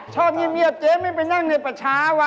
ชอบเงียบเจ๊ไม่ไปนั่งในประชาวะ